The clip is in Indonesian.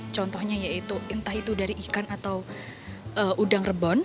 contohnya yaitu entah itu dari ikan atau udang rebon